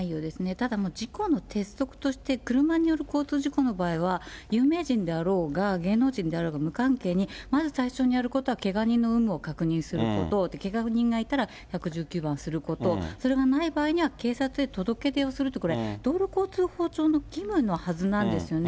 ただ事故の鉄則として、車による交通事故の場合は、有名人であろうが芸能人であろうが無関係に、まず最初にやることは、けが人の有無を確認すること、けが人がいたら１１９番すること、それがない場合には警察へ届け出をするって、これ、道路交通法上の義務のはずなんですよね。